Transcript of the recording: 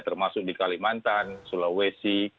termasuk di kalimantan sulawesi